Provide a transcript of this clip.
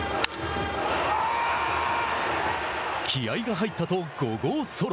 気合いが入ったと５号ソロ。